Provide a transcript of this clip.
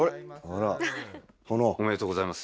おめでとうございます。